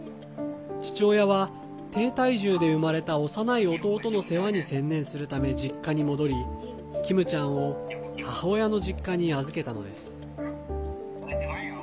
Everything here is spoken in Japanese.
父親は、低体重で生まれた幼い弟の世話に専念するため実家に戻りキムちゃんを母親の実家に預けたのです。